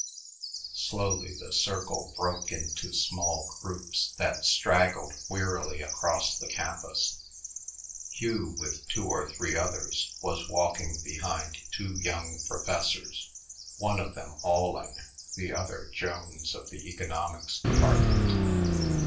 Slowly the circle broke into small groups that straggled wearily across the campus. Hugh, with two or three others, was walking behind two young professors one of them, Alling, the other, Jones of the economics department.